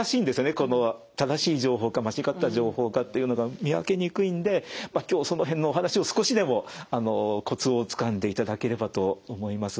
この正しい情報か間違った情報かっていうのが見分けにくいんで今日その辺のお話を少しでもコツをつかんでいただければと思います。